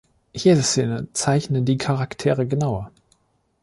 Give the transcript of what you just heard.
Jede Szene zeichne die Charaktere genauer.